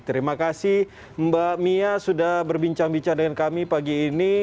terima kasih mbak mia sudah berbincang bincang dengan kami pagi ini